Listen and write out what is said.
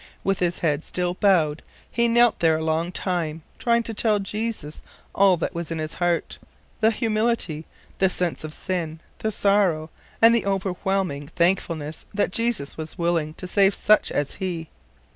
With his head still bowed he knelt there a long time, trying to tell Jesus all that was in his heart: the humiliation; the sense of sin; the sorrow; and the overwhelming thankfulness that Christ was willing to save such as he.